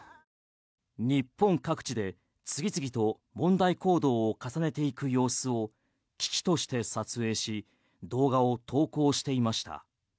日本各地で次々と問題行動を重ねていく様子を喜々として撮影し動画を投稿していました。